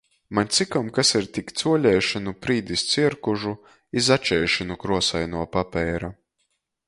Maņ cikom kas ir tik cuoleiši nu prīdis cierkužu i začeiši nu kruosainuo papeira.